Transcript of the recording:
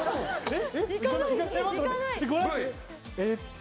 えっと。